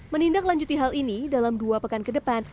menindaklanjuti hal ini dalam dua pekan ke depan